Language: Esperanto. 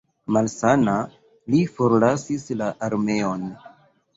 Malsana, li forlasis la armeon.